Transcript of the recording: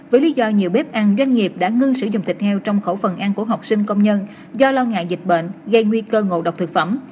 với lý do nhiều bếp ăn doanh nghiệp đã ngưng sử dụng thịt heo trong khẩu phần ăn của học sinh công nhân do lo ngại dịch bệnh gây nguy cơ ngộ độc thực phẩm